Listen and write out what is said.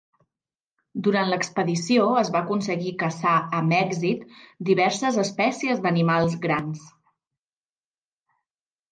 Durant l'expedició es va aconseguir caçar amb èxit diverses espècies d'animals grans.